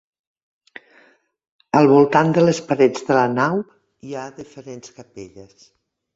Al voltant de les parets de la nau hi ha diferents capelles.